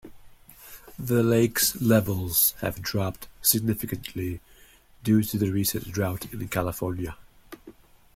The Lakes levels have dropped significantly due to the recent drought in California.